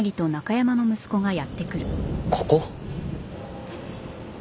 ここ？